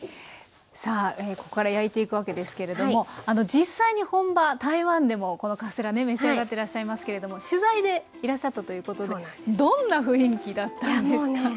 さあここから焼いていくわけですけれども実際に本場・台湾でもこのカステラ召し上がっていらっしゃいますけれども取材でいらっしゃったということでどんな雰囲気だったんですか？